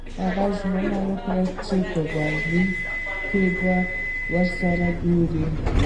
هغوی ژمنه وکړه چې په برلین کې به سره ګوري